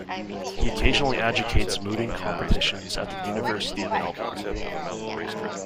He occasionally adjudicates mooting competitions at the University of Melbourne.